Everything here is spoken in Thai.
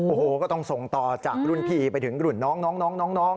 โอ้โหก็ต้องส่งต่อจากรุ่นพี่ไปถึงรุ่นน้อง